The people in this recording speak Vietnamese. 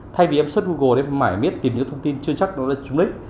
thay vì em search google để mải miết tìm những thông tin chưa chắc nó là chúng lý